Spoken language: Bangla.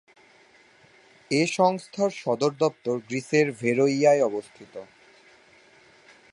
এই সংস্থার সদর দপ্তর গ্রিসের ভেরোইয়ায় অবস্থিত।